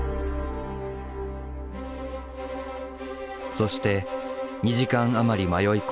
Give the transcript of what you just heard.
そして２時間余り迷い込んだ